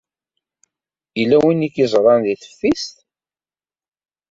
Yella win ay k-yeẓran deg teftist?